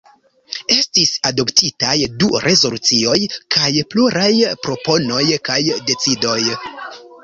Estis adoptitaj du rezolucioj kaj pluraj proponoj kaj decidoj.